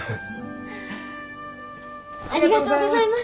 ありがとうございます！